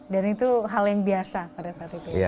dan itu hal yang biasa pada saat itu ya